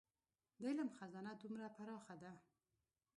د علم خزانه دومره پراخه ده.